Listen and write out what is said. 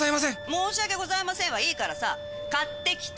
申し訳ございませんはいいからさ、買ってきて。